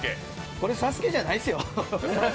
これ、「ＳＡＳＵＫＥ」じゃないっすよ。